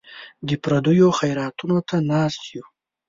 د پردیو خیراتونو ته ناست یو.